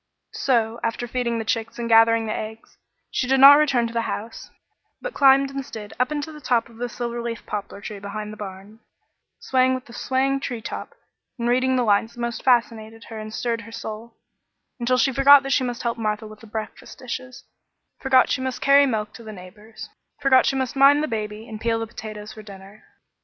So, after feeding the chicks and gathering the eggs, she did not return to the house, but climbed instead up into the top of the silver leaf poplar behind the barn, and sat there long, swaying with the swaying tree top and reading the lines that most fascinated her and stirred her soul, until she forgot she must help Martha with the breakfast dishes forgot she must carry milk to the neighbor's forgot she must mind the baby and peel the potatoes for dinner.